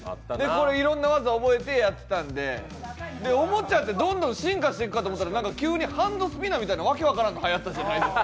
いろんな技覚えてやってたんでおもちゃってどんどん進化していくかと思ったら、なんか急にハンドスピナーみたいな訳の分からんもんがはやったこともあって。